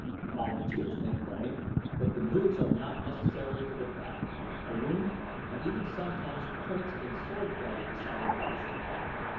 Volunteers may play, but the moves are not necessarily to the death a wound, and even sometimes points in swordplay, deciding the issue.